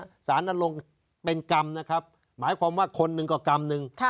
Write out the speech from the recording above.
สารนั้นลงเป็นกรรมนะครับหมายความว่าคนหนึ่งก็กรรมหนึ่ง